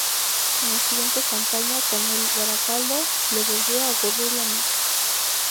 En la siguiente campaña, con el Barakaldo, le volvió a ocurrir lo mismo.